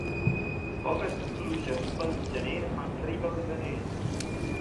Poques pluges pel gener fan ric el graner.